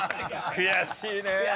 悔しいね。